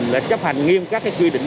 để chấp hành nghiêm các quy định